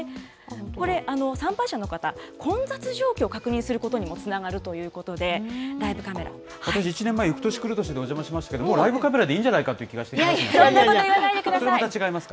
これ、参拝者の方、混雑状況を確認することにもつながるというこ私、１年前、ゆく年くる年でお邪魔しましたけど、もうライブカメラでいいんじゃないかというそんなこと言わないでくださそれは違いますか。